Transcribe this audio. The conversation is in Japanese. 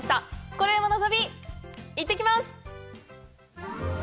「コレうまの旅」、行ってきます！